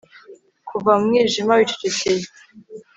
kuva mu mwijima wicecekeye